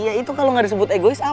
ya itu kalo gak disebut egois apa